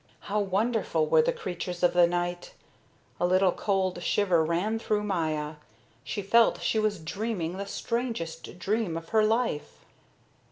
How wonderful were the creatures of the night! A little cold shiver ran through Maya, who felt she was dreaming the strangest dream of her life.